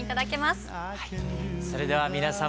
それでは皆様